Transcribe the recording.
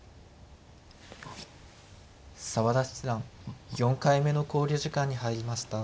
澤田七段４回目の考慮時間に入りました。